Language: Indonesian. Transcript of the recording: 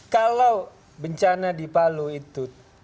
kalau bencana di palu itu